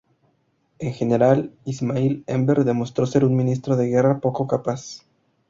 En general, İsmail Enver demostró ser un Ministro de Guerra poco capaz.